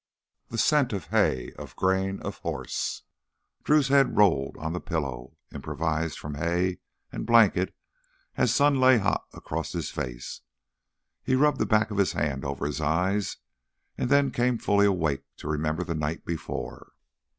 The scent of hay, of grain, of horse.... Drew's head rolled on the pillow improvised from hay and blanket as sun lay hot across his face. He rubbed the back of his hand over his eyes and then came fully awake to remember the night before.